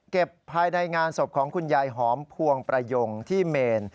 ภายในงานศพของคุณยายหอมพวงประยงที่เมน